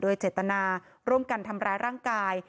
โดยเจตนาร่วมกันทำร้ายร่างกาย